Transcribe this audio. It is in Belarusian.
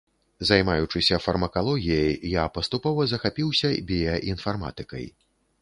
Займаючыся фармакалогіяй, я паступова захапіўся біяінфарматыкай.